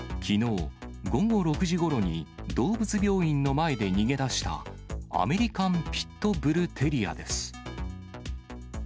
きのう、午後６時ごろに、動物病院の前で逃げ出したアメリカン・ピット・ブル・テリアです。